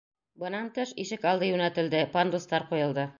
Бынан тыш, ишек алды йүнәтелде, пандустар ҡуйылды.